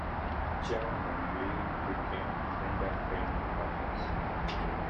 Cheung and Lee became friend and training partners.